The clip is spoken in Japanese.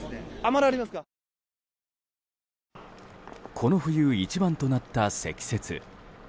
この冬一番となった積雪。